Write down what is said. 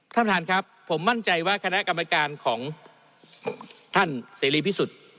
ท่านประธานครับผมมั่นใจว่าคณะกรรมการของท่านเสรีพิสุทธิ์